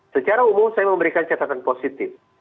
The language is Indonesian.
secara umum saya memberikan catatan positif